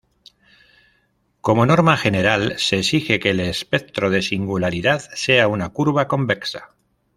Como norma general, se exige que el espectro de singularidad sea una curva convexa.